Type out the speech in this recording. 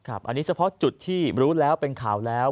อันนี้เฉพาะจุดที่รู้แล้วเป็นข่าวแล้ว